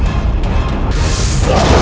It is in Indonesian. yang tak mustahak